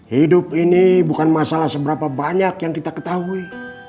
hidup ini bukan masalah seberapa banyak yang kita ketahui